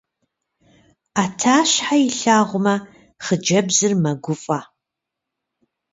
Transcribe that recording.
Ӏэтащхьэ илъагъумэ, хъыджэбзыр мэгуфӀэ.